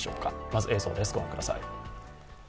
まず映像です、御覧ください。